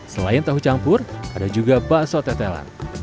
selain tahu campur ada juga bakso tetelan